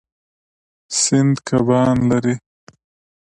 سیند کبان لري.